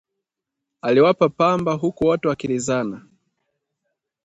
Aliwapa pamba huku wote wakilizana